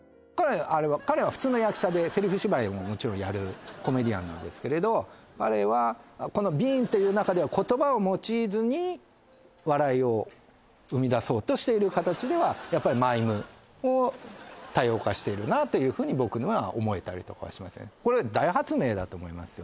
彼は普通の役者でセリフ芝居ももちろんやるコメディアンなんですけど彼はこの「ビーン」という中では言葉を用いずに笑いを生みだそうとしている形ではやっぱりマイム多様化しているなというふうに僕には思えたりとかはしますねこれ大発明だと思いますよ